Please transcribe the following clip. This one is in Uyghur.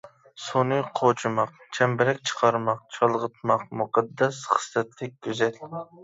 سۇنى قوچۇماق، چەمبىرەك چىقارماق چالغىتماق مۇقەددەس، خىسلەتلىك، گۈزەل.